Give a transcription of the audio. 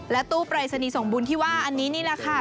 ตู้ปรายศนีย์ส่งบุญที่ว่าอันนี้นี่แหละค่ะ